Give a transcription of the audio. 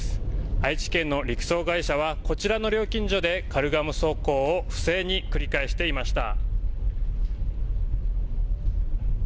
愛知県の陸送会社はこちらの料金所でカルガモ走行を不正に繰り返していました。